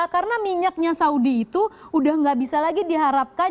karena minyaknya saudi itu udah nggak bisa lagi diharapkan